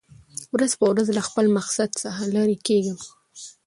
ورځ په ورځ له خپل مقصد څخه لېر کېږم .